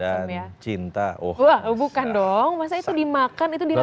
dan cinta wah bukan dong masa itu dimakan itu dirasakan